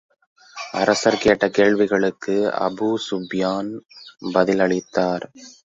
அரசர் கேட்ட கேள்விகளுக்கு அபூ ஸூப்யான் பதில் அளித்தார்.